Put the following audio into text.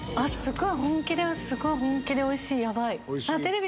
すごい本気でおいしいヤバい。